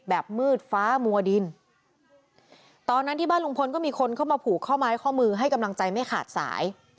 แบบมืดฟ้ามัวดินตอนนั้นที่บ้านลุงพลก็มีคนเข้ามาผูกข้อไม้ข้อมือให้กำลังใจไม่ขาดสาย